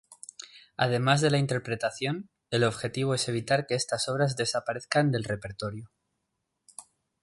Además de la interpretación, el objetivo es evitar que estas obras desaparezcan del repertorio.